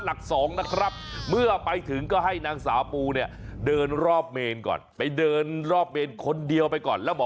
หน้าเตาเผาศพตรงนี้เลยครับ